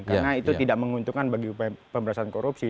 karena itu tidak menguntungkan bagi pemerintahan korupsi